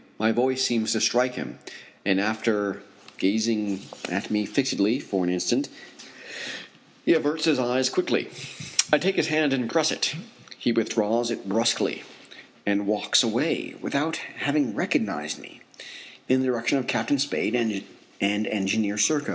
My voice seems to strike him, and after gazing at me fixedly for an instant he averts his eyes quickly. I take his hand and press it. He withdraws it brusquely and walks away, without having recognized me, in the direction of Captain Spade and Engineer Serko.